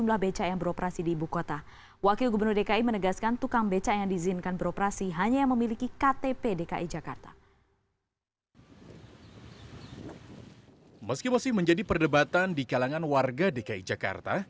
meski masih menjadi perdebatan di kalangan warga dki jakarta